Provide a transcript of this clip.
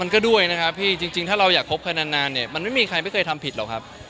ก็ด้วยนะครับพี่จริงถ้าเราอยากคบกันนานเนี่ยมันไม่มีใครไม่เคยทำผิดหรอกครับ